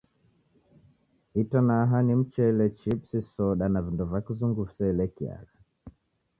Itanaha ni michele, chipsi, soda, na vindo va Kizungu viseelekiagha.